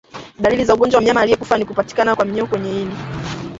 Dalili za ugonjwa kwa mnyama aliyekufa ni kupatikana kwa minyoo kwenye ini